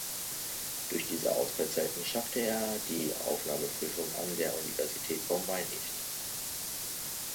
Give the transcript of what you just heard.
Durch diese Ausfallzeiten schaffte er die Aufnahmeprüfung an der Universität Bombay nicht.